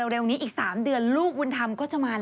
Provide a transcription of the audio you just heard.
เร็วนี้อีก๓เดือนลูกบุญธรรมก็จะมาแล้ว